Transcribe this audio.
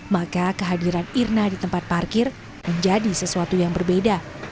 maka kehadiran irna di tempat parkir menjadi sesuatu yang berbeda